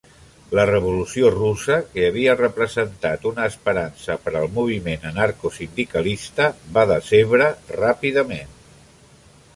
La revolució russa, que havia representat una esperança per al moviment anarcosindicalista, va decebre ràpidament.